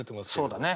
そうだね。